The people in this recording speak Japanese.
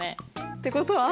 ってことは。